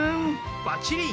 ばっちり！